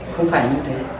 không phải như thế